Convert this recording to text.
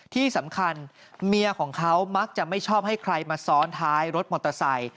ที่สำคัญเมียของเขามักจะไม่ชอบให้ใครมาซ้อนท้ายรถมอเตอร์ไซค์